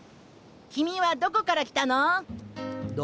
君はどこから来たの？